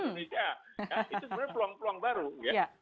itu sebenarnya peluang peluang baru ya